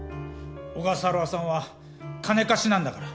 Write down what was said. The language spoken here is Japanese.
小笠原さんは金貸しなんだから。